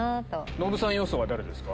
ノブさん予想は誰ですか？